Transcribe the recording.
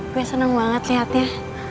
gue seneng banget liatnya